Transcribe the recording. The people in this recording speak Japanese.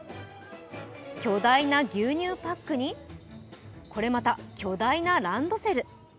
巨大な牛乳パックにこれまた巨大なランドセル。